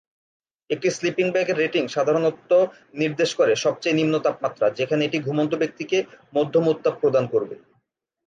একটি sleeping bag এর rating সাধারণত নির্দেশ করে সবচেয়ে নিম্ন তাপমাত্রা যেখানে এটি ঘুমন্ত ব্যক্তিকে মধ্যম উত্তাপ প্রদান করবে।